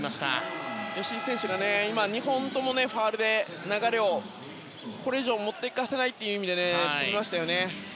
吉井選手が２本ともファウルで流れをこれ以上持っていかせないという意味で止めましたね。